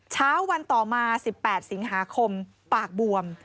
เช้าวันต่อมา๑๘สิงหาคมปากบวม